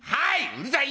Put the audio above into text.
うるさい！